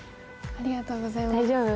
ありがとうございます大丈夫？